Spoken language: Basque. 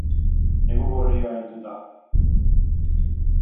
Negu gorria heldu da.